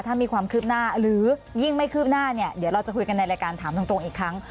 ถ้ามีความคืบหน้าหรือยิ่งไม่คืบหน้าเนี่ยเดี๋ยวเราจะคุยกันในรายการถามตรงอีกครั้ง